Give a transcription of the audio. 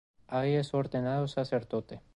Ahí es ordenado sacerdote.